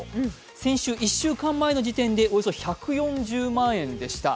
先週１週間前の時点でおよそ１４０万円でした。